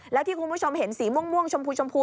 แล้วที่คุณผู้ชมเห็นสีม่วงชมพูชมพู